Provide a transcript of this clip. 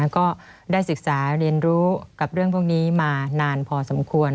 ก็ได้ศึกษาเรียนรู้กับเรื่องพวกนี้มานานพอสมควร